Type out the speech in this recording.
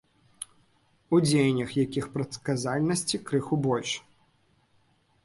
У дзеяннях якіх прадказальнасці крыху больш.